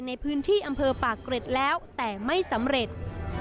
ในพื้นที่อำเภอปากเกร็ดแล้วแต่ไม่สำเร็จ